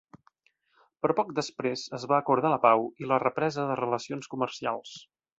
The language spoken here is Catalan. Però poc després es va acordar la pau i la represa de relacions comercials.